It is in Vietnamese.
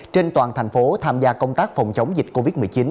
trên toàn thành phố tham gia công tác phòng chống dịch covid một mươi chín